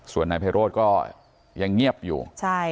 ส่วนนายไพโรธก็ยังเงียบอยู่